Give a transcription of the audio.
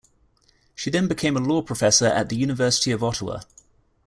She then became a law professor at the University of Ottawa.